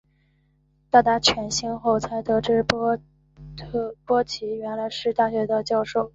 到达犬星后才得知波奇原来是大学的教授。